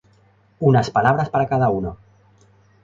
Unas palabras para cada uno.